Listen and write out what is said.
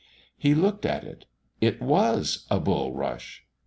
He looked at it. It was a bulrush.